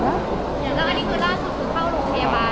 แล้วอันนี้คือล่าสุดคือเข้าโรงพยาบาล